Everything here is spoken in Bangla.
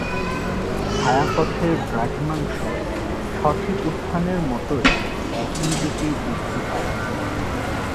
ছায়াপথের দ্রাঘিমাংশ সঠিক উত্থানের মতই একই দিকে বৃদ্ধি পায়।